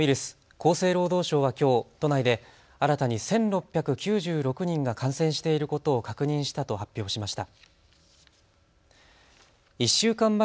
厚生労働省はきょう都内で新たに１６９６人が感染していることを確認したと発表しました。